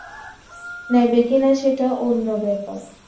নেবে কিনা সেটা অন্য ব্যাপার।